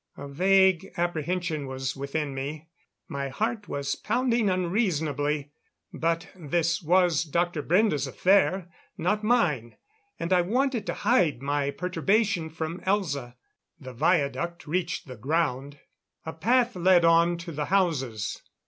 A vague apprehension was within me; my heart was pounding unreasonably. But this was Dr. Brende's affair, not mine; and I wanted to hide my perturbation from Elza. The viaduct reached the ground; a path led on to the houses.